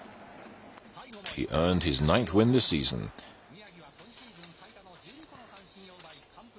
宮城は今シーズン最多の１２個の三振を奪い完封。